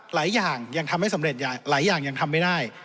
หลายอย่างยังทำไม่สำเร็จหลายอย่างยังทำไม่ได้